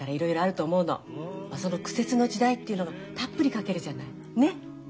その苦節の時代っていうのがたっぷり書けるじゃない。ね？